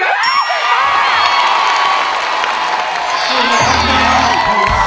ได้เลย